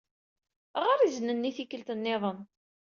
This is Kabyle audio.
Ɣeṛ izen-nni tikkelt nniḍen.